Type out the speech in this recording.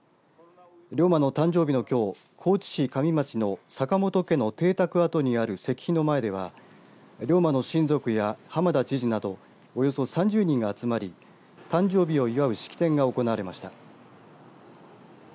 龍馬の誕生日のきょう高知市上町の坂本家の邸宅跡にある石碑の前では龍馬の親族や浜田知事などおよそ３０人が集まり誕生日を祝う式典が行われました。